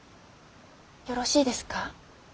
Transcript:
よろしいですか。